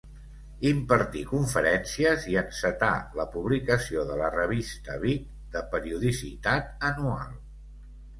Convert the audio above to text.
Impartí conferències i encetà la publicació de la revista Vic de periodicitat anual.